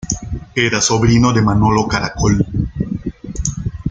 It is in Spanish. Era sobrino de Manolo Caracol.